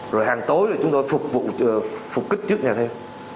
rồi hàng tối là chúng tôi phục vụ phục kích trước nhà thêm